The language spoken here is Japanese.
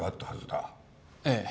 ええ。